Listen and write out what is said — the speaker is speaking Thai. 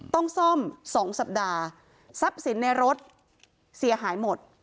ต้องซ่อม๒สัปดาห์ทรัพย์สินในรถเสียหายหมด